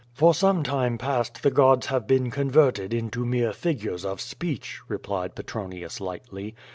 "For some time past the gods have been converted into mere figures of speech/' replied Petronius lightly.